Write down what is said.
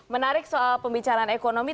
menarik soal pembicaraan ekonomi